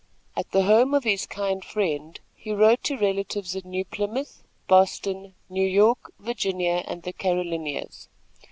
At the home of his kind friend, he wrote to relatives at New Plymouth, Boston, New York, Virginia and the Carolinias.